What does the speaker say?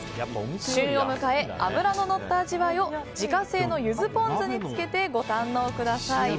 旬を迎え、脂ののった味わいを自家製のゆずポン酢につけてご堪能ください。